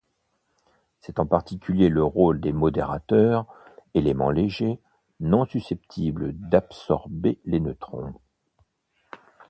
C'est en particulier le rôle des modérateurs, éléments légers, non susceptibles d'absorber les neutrons.